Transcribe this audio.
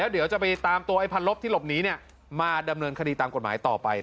เดี๋ยวจะไปตามตัวไอ้พันลบที่หลบหนีมาดำเนินคดีตามกฎหมายต่อไป